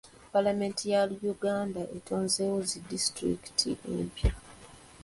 Paalamenti ya Uganda etonzeewo zi disitulikiti empya.